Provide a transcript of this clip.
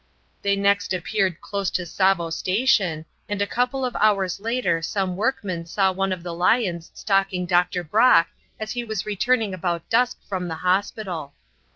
They next appeared close to Tsavo Station, and a couple of hours later some workmen saw one of the lions stalking Dr. Brock as he was returning about dusk from the hospital.